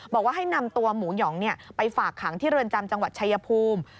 บอกว่าให้นำตัวหมูหยองไปฝากขังที่เรือนจำจังหวัดชายภูมิ